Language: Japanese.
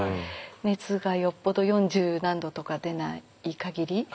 熱がよっぽど四十何度とか出ない限り。